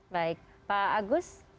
baik pak agus